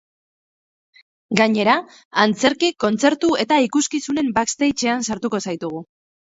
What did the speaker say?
Gainera antzerki, kontzertu eta ikuskizunen baskstagean sartuko zaitugu.